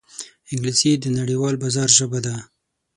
انګلیسي د نړیوال بازار ژبه ده